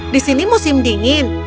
di sini musim dingin